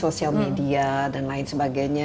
sosial media dan lain sebagainya